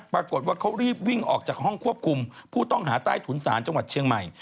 ปรากฏว่าเขารีบวิ่งออกจากห้องควบคุมผู้ต้องหาใต้ถุนศาลจังหวัดเชียงใหม่